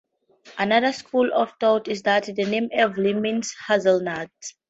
Another school of thought is that the name "Evelyn" means "hazelnut".